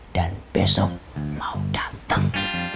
dan besok mau dateng